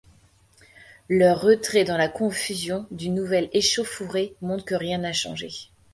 Leur retrait dans la confusion d'une nouvelle échauffourée montre que rien n'a changé.